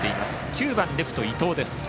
９番レフト、伊藤です。